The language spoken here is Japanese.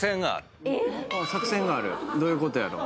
どういうことやろ？